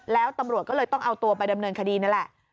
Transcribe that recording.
แล้วตำรวจก็เลยต้องเอาตัวไปดำเนินคดีนั่นแหละ